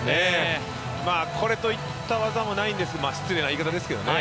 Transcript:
これといった技もないんです、失礼な言い方ですけどね。